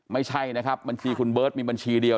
ไม่ใช่นะครับบัญชีคุณเบิร์ตมีบัญชีเดียว